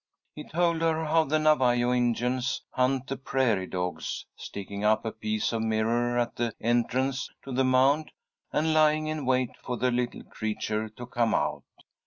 He told her how the Navajo Indians hunt the prairie dogs, sticking up a piece of mirror at the entrance to the mound, and lying in wait for the little creature to come out.